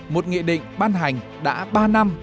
một nghị định ban hành đã ba năm